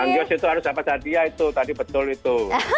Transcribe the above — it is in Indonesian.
bang yos itu harus dapat hadiah itu tadi betul itu